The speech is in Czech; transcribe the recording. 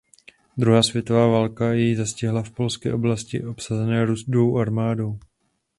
Druhá světová válka jej zastihla v polské oblasti obsazené Rudou armádou.